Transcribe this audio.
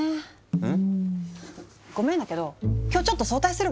⁉うん。